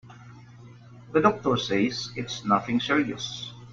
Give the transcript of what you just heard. The doctor says it's nothing serious.